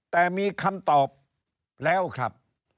แต่มีคำตอบแล้วครับ